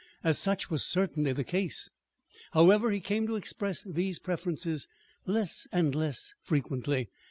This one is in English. As such was certainly the case, however, he came to express these preferences less and less frequently.